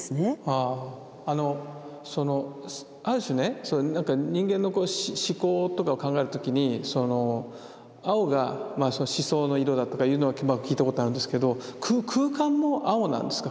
あのそのある種ね人間の思考とかを考える時にその青が思想の色だとかいうのは聞いたことがあるんですけど空間も青なんですか？